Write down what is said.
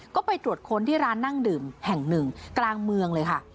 ก็ไปตรวจค้นที่ร้านนั่งดื่มแห่งหนึ่งกลางเมืองเลยค่ะ